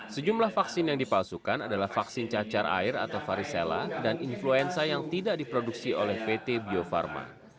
sejumlah vaksin yang dipalsukan adalah vaksin cacar air atau varicella dan influenza yang tidak diproduksi oleh pt bio farma